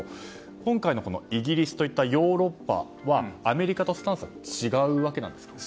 今回のイギリスといったヨーロッパはアメリカとスタンスは違うわけなんですか？